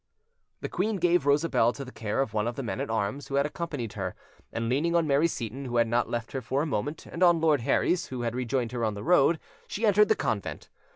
The queen gave Rosabelle to the care of one of the men at arms who had accompanied her, and leaning on Mary Seyton, who had not left her for a moment, and on Lord Herries, who had rejoined her on the road, she entered the convent.